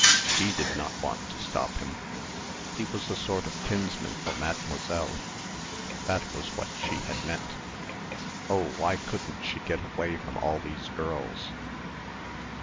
She did not want to stop him.... He was a sort of kinsman for Mademoiselle ... that was what she had meant. Oh, why couldn't she get away from all these girls?